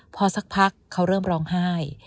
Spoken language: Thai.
พอสักพักเขาเริ่มร้องไห้